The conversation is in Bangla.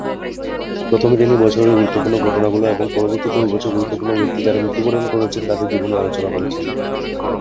প্রথমে তিনি বছরের গুরুত্বপূর্ণ ঘটনাগুলো এবং পরবর্তীতে ওই বছর গুরুত্বপূর্ণ ব্যক্তি যারা মৃত্যুবরণ করেছেন তাদের জীবনী আলোচনা করেছেন।